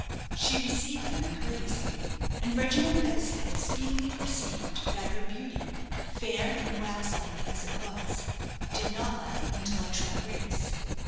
She received them courteously, and Reginald Eversleigh speedily perceived that her beauty, fair and wax like as it was, did not lack intellectual grace.